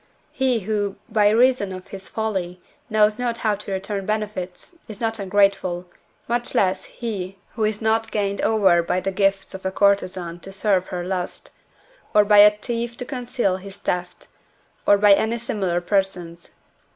He who, by reason of his folly, knows not how to return benefits, is not ungrateful, much less he who is not gained over by the gifts of a courtesan to serve her lust, or by a thief to conceal his thefts, or by any similar persons.